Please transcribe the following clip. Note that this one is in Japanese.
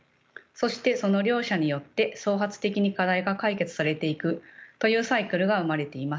そしてその両者によって創発的に課題が解決されていくというサイクルが生まれています。